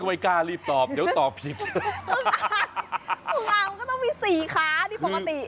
ไม่กล้ารีบตอบเดี๋ยวตอบผิดทุกอย่างมันก็ต้องมีสี่ขานี่ปกติ